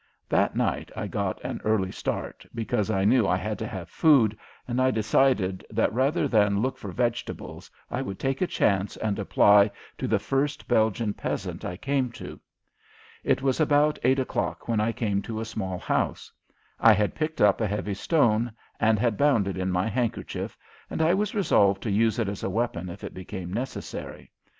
That night I got an early start because I knew I had to have food, and I decided that, rather than look for vegetables, I would take a chance and apply to the first Belgian peasant I came to. It was about eight o'clock when I came to a small house. I had picked up a heavy stone and had bound it in my handkerchief, and I was resolved to use it as a weapon if it became necessary.